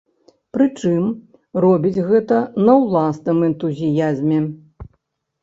Прычым, робіць гэта на ўласным энтузіязме.